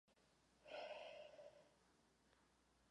Poloha vraku je doposud neznámá.